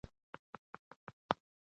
کارمندان د معاش لپاره زحمت باسي.